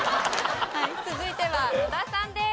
続いては野田さんです。